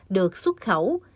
được xuất khẩu